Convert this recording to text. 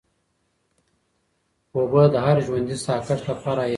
اوبه د هر ژوندي ساه کښ لپاره حیاتي دي.